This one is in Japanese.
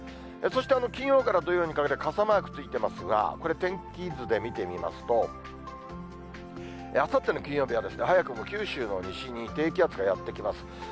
そして金曜から土曜にかけて、傘マークついてますが、これ、天気図で見てみますと、あさっての金曜日は、早くも九州の西に低気圧がやって来ます。